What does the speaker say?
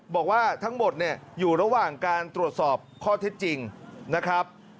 บอกว่าทั้งหมดเนี่ยอยู่ระหว่างการตรวจสอบข้อเท็จจริงนะครับ